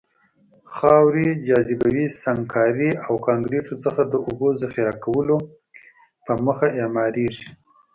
خاورې، جاذبوي سنګکارۍ او کانکریتو څخه د اوبو د ذخیره کولو په موخه اعماريږي.